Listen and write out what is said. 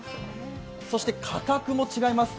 そして価格も違います。